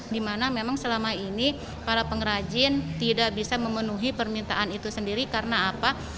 dimana memang selama ini para pengrajin tidak bisa memenuhi permintaan itu sendiri karena apa